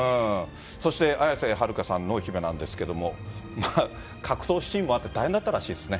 そして綾瀬はるかさんの濃姫なんですけれども、まあ、格闘シーンもあって大変だったらしいんですね。